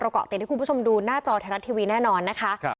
เกาะติดให้คุณผู้ชมดูหน้าจอไทยรัฐทีวีแน่นอนนะคะ